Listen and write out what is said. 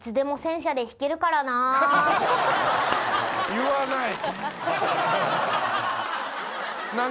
言わない。